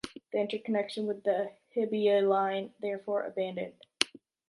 The interconnection with the Hibiya line is therefore abandoned.